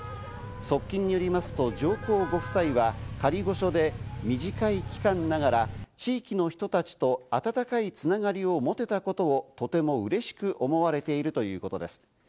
側近によりますと、上皇ご夫妻は仮御所で短い期間ながら地域の人たちと温かいつながりを持てたことをとてもうれしく思われているということです。